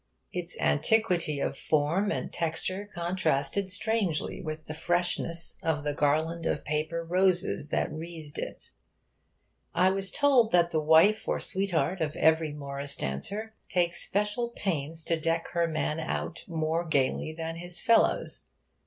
Its antiquity of form and texture contrasted strangely with the freshness of the garland of paper roses that wreathed it. I was told that the wife or sweetheart of every Morris dancer takes special pains to deck her man out more gaily than his fellows.